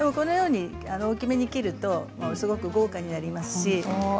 大きめに切るとすごく豪華になりますし。